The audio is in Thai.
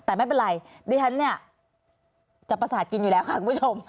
แต่ไม่เป็นไรดิฉันเนี่ยจะประสาทกินอยู่แล้วค่ะคุณผู้ชม